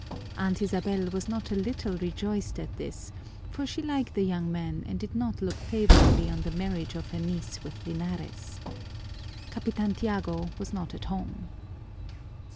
Aunt Isabel was not a little rejoiced at this, for she liked the young man and did not look favorably on the marriage of her niece with Linares. Capitan Tiago was not at home.